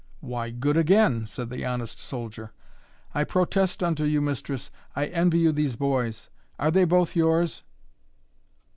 "Why, good again!" said the honest soldier. "I protest unto you, mistress, I envy you these boys. Are they both yours?"